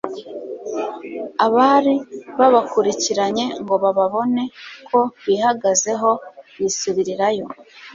abari babakurikiranye ngo babone ko bihagazeho, bisubirirayo